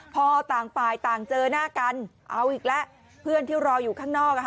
พอต่างฝ่ายต่างเจอหน้ากันเอาอีกแล้วเพื่อนที่รออยู่ข้างนอก